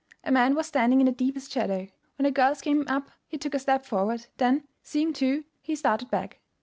A man was standing in the deepest shadow. When the girls came up he took a step forward, then, seeing two, he started back.